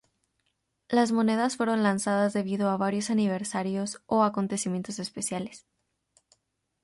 Las monedas fueron lanzadas debido a varios aniversarios o acontecimientos especiales.